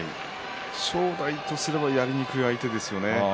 正代からするとやりにくい相手ですよね。